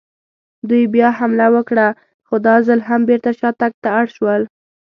دوی بیا حمله وکړه، خو دا ځل هم بېرته شاتګ ته اړ شول.